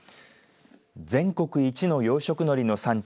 全国１の養殖のりの産地